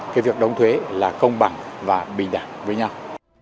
cái việc đóng thuế là công bằng và bình đẳng với nhau